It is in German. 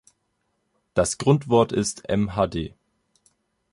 Das Grundwort ist mhd.